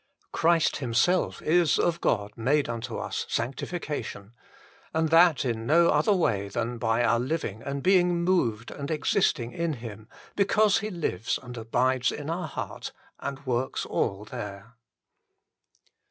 Christ Him self is of God made unto us sanctification : and that in no other way than by our living and being moved and existing in Him, because He lives and abides in our heart and works all there.